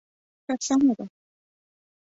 ښه سمه ده.